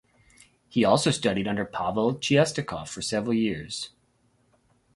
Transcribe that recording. He also studied under Pavel Chistyakov for several years.